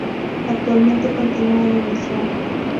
Actualmente continúa en emisión.